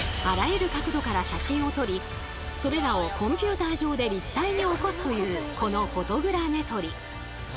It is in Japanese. あらゆる角度から写真を撮りそれらをコンピューター上で立体に起こすというこのフォトグラメトリ。